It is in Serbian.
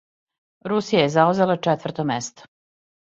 Русија је заузела четврто место.